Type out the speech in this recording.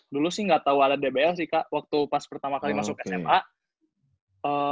dulu sih nggak tahu ada dbl sih kak waktu pas pertama kali masuk sma